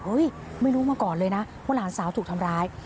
ไม่รู้มาก่อนเลยนะว่าหลานสาวถูกทำร้าย